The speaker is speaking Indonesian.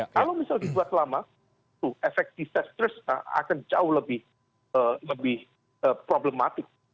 kalau misal dibuat lama itu efektivitas akan jauh lebih problematik